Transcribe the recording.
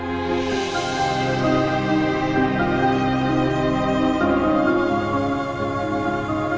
aku ngadopsi dia